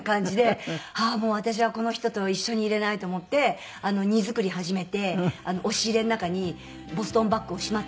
もう私はこの人とは一緒にいられないと思って荷造り始めて押し入れの中にボストンバッグをしまってたっていうね。